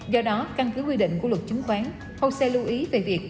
do đó căn cứ quy định của luật chứng khoán hosea lưu ý về việc